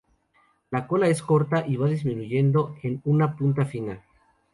La cola es corta y va disminuyendo en una punta fina.